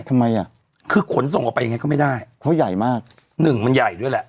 ทำไมอ่ะคือขนส่งออกไปยังไงก็ไม่ได้เพราะใหญ่มากหนึ่งมันใหญ่ด้วยแหละ